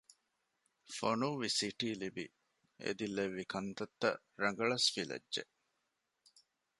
ފޮނުއްވި ސިޓި ލިބި އެދިލެއްވި ކަންތައްތައް ރަގަޅަސް ފިލައްޖެ